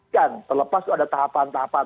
kan terlepas itu ada tahapan tahapan